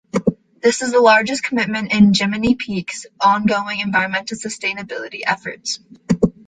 This is the largest commitment in Jiminy Peak's ongoing environmental sustainability efforts.